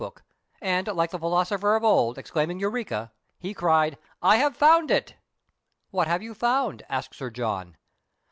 105 his note book, and like the philosopher of old exclaiming " Eureka !" he cried, " I have found it !"" What have you found ?" asked Sir John.